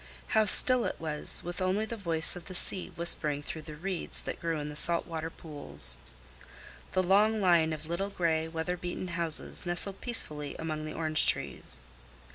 How still it was, with only the voice of the sea whispering through the reeds that grew in the salt water pools! The long line of little gray, weather beaten houses nestled peacefully among the orange trees.